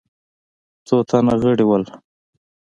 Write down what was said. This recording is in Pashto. څو تنه غړي وه.